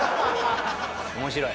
面白い。